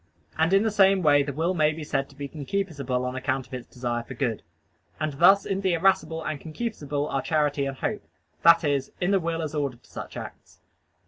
And in the same way the will may be said to be concupiscible on account of its desire for good. And thus in the irascible and concupiscible are charity and hope that is, in the will as ordered to such acts.